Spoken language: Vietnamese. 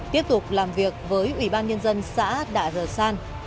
tiếp tục làm việc với ủy ban nhân dân xã đạ rờ san